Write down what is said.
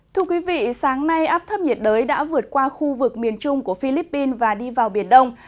thưa quý vị sáng nay áp thấp nhiệt đới đã vượt qua khu vực miền trung của philippines và đi vào biển đông